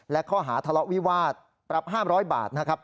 และข้อหาทะเลาะวิวาสปรับ๕๐๐บาทนะครับ